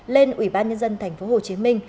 lên ủy ban nhân dân tp hcm